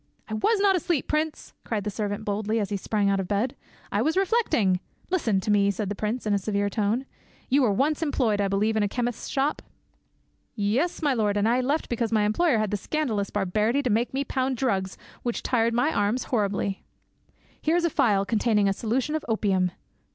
"I was not asleep, prince!" cried the servant boldly, as he sprang out of bed; "I was reflecting— " "Listen to me," said the prince in a severe tone; "you were once employed, I believe, in a chemist's shop?" "Yes, my lord, and I left because my employer had the scandalous barbarity to make me pound drugs, which tired my arms horribly." "Here is a phial containing a solution of opium."